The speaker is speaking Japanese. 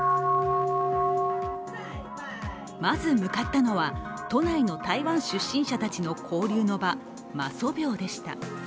まず向かったのは、都内の台湾出身者たちの交流の場、媽祖廟でした。